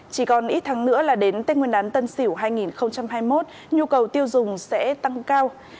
chỉ còn ít tháng nữa là đến tết nguyên đán tân sỉu hai nghìn hai mươi một nhu cầu tiêu dùng sẽ tăng cao